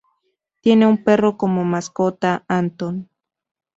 Tiene un perro como mascota Anton.